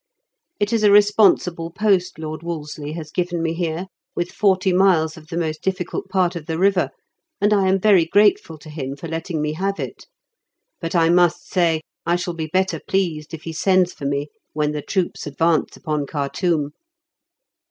It is a responsible post Lord Wolseley has given me here, with forty miles of the most difficult part of the river, and I am very grateful to him for letting me have it. But I must say I shall be better pleased if he sends for me when the troops advance upon Khartoum."